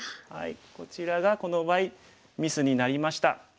こちらがこの場合ミスになりました。